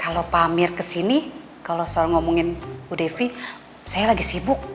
kalau pamir kesini kalau soal ngomongin bu devi saya lagi sibuk